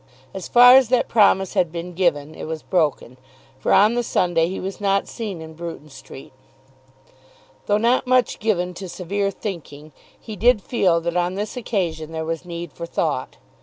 As far as that promise had been given it was broken, for on the Sunday he was not seen in Bruton Street. Though not much given to severe thinking, he did feel that on this occasion there was need for thought.